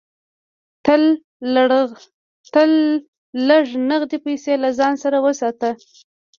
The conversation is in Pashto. تل لږ نغدې پیسې له ځان سره وساته.